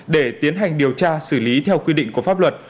để tiến hành điều tra xử lý theo quy định của pháp luật